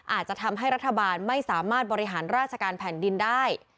อาจจะทำให้รัฐบาลไม่สามารถบริหารราชการแผ่นดินได้